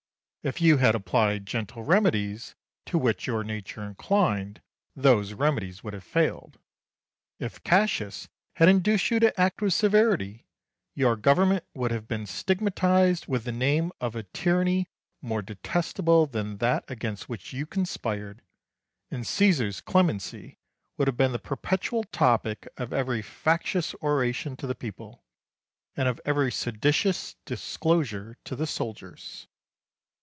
If you had applied gentle remedies, to which your nature inclined, those remedies would have failed; if Cassius had induced you to act with severity, your government would have been stigmatised with the name of a tyranny more detestable than that against which you conspired, and Caesar's clemency would have been the perpetual topic of every factious oration to the people, and of every seditious discourse to the soldiers.